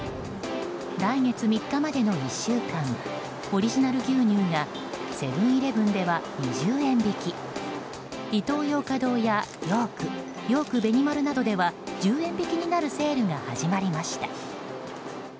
来月３日までの１週間オリジナル牛乳がセブン‐イレブンでは２０円引きイトーヨーカドーやヨーク、ヨークベニマルなどでは１０円引きになるセールが始まりました。